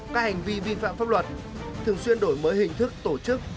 các hành vi vi phạm pháp luật thường xuyên đổi mới hình thức tổ chức